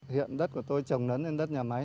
hiện đất của tôi trồng nấn lên đất này